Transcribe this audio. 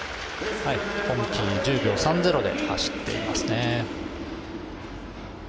今季１０秒３０で走っていますね。